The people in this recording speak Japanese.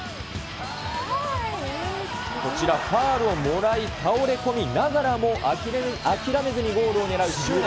こちら、ファウルをもらい倒れ込みながらも、諦めずにゴールをねらう執念。